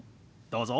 どうぞ。